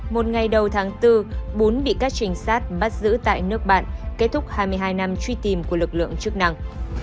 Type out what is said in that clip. một ngày đầu tháng bốn bún bị các trinh sát bắt giữ tại nước bạn kết thúc hai mươi hai năm truy tìm của lực lượng chức năng